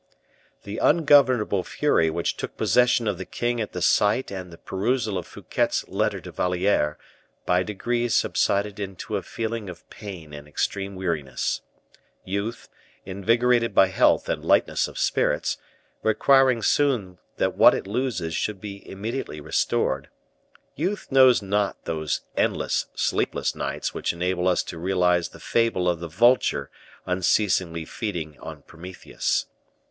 The ungovernable fury which took possession of the king at the sight and at the perusal of Fouquet's letter to La Valliere by degrees subsided into a feeling of pain and extreme weariness. Youth, invigorated by health and lightness of spirits, requiring soon that what it loses should be immediately restored youth knows not those endless, sleepless nights which enable us to realize the fable of the vulture unceasingly feeding on Prometheus.